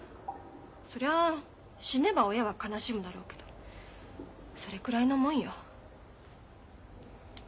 そりゃ死ねば親は悲しむだろうけどそれくらいのもんよ。